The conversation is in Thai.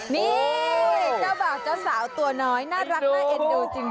นี่เจ้าบ่าวเจ้าสาวตัวน้อยน่ารักน่าเอ็นดูจริง